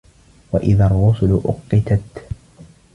وَإِذَا الرُّسُلُ أُقِّتَت